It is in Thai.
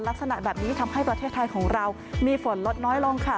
ลักษณะแบบนี้ทำให้ประเทศไทยของเรามีฝนลดน้อยลงค่ะ